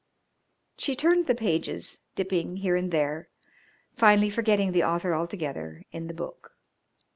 She turned the pages, dipping here and there, finally forgetting the author altogether in the book.